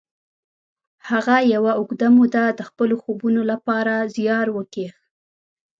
هغه یوه اوږده موده د خپلو خوبونو لپاره زیار وکیښ